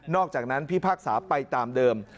อกจากนั้นพิพากษาไปตามเดิม